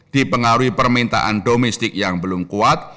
dipengaruhi permintaan domestik yang belum kuat